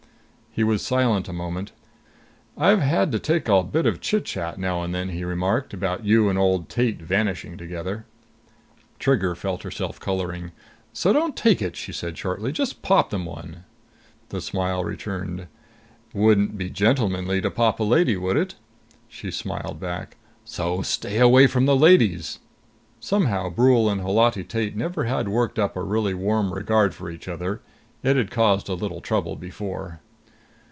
He was silent a moment. "I've had to take a bit of chitchat now and then," he remarked, "about you and old Tate vanishing together." Trigger felt herself coloring. "So don't take it," she said shortly. "Just pop them one!" The smile returned. "Wouldn't be gentlemanly to pop a lady, would it?" She smiled back. "So stay away from the ladies!" Somehow Brule and Holati Tate never had worked up a really warm regard for each other. It had caused a little trouble before.